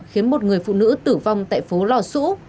khiến một người phụ nữ tử vong tại phố lò sũ